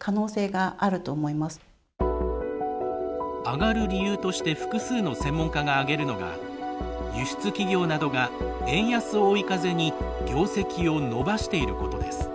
上がる理由として複数の専門家が挙げるのが輸出企業などが円安を追い風に業績を伸ばしていることです。